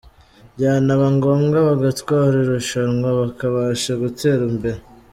Byanaba ngombwa bagatwara irushanwa bakabasha gutera imbere.